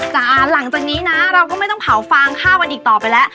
หลังจากนี้นะเราก็ไม่ต้องเผาฟางข้าวกันอีกต่อไปแล้ว